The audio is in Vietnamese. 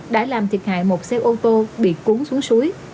đã làm thiệt hại một xe ô tô bị cuốn xuống suối